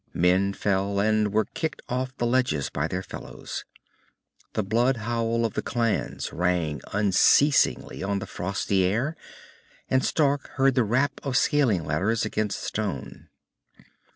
Men fell, and were kicked off the ledges by their fellows. The blood howl of the clans rang unceasing on the frosty air, and Stark heard the rap of scaling ladders against stone.